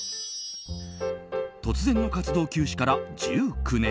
突然の活動休止から１９年。